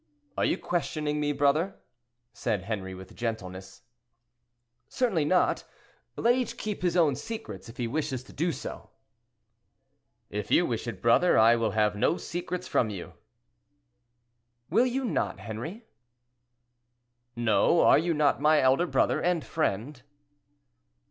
"Are you questioning me, brother?" said Henri, with gentleness. "Certainly not; let each keep his own secrets if he wishes to do so." "If you wish it, brother, I will have no secrets from you." "Will you not, Henri?" "No; are you not my elder brother and friend?"